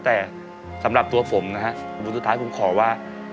แต่สำหรับตัวผมนะฮะสุดท้ายผมขอว่า